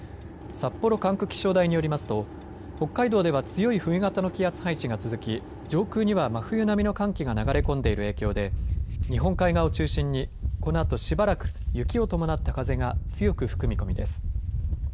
札幌管区気象台によりますと北海道では強い冬型の気圧配置が続き上空には真冬並みの寒気が流れ込んでいる影響で日本海側を中心にこのあと、しばらく雪を伴った風が強く吹く見込みです。